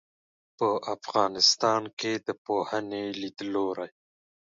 په افغانستان کې د پوهنې لیدلورى